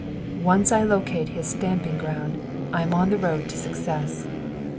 "Once I locate his 'stamping ground,' I am on the road to success."